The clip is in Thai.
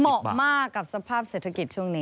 เหมาะมากกับสภาพเศรษฐกิจช่วงนี้